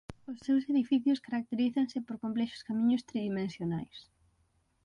Os seus edificios caracterízanse por complexos camiños tridimensionais.